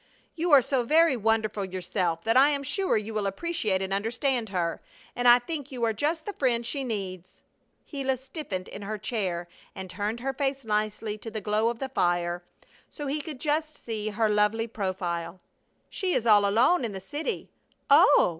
"You are so very wonderful yourself that I am sure you will appreciate and understand her, and I think you are just the friend she needs." Gila stiffened in her chair and turned her face nicely to the glow of the fire, so he could just see her lovely profile. "She is all alone in the city " "Oh!"